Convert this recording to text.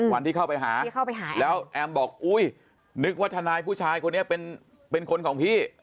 วันที่เข้าไปหาแล้วแอมบอกอุ้ยนึกว่าทนายผู้ชายคนนี้เป็นคนของพี่